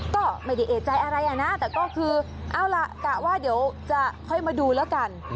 ก็ไม่ได้เอกใจอะไรอ่ะนะแต่ก็คือเอาล่ะกะว่าเดี๋ยวจะค่อยมาดูแล้วกัน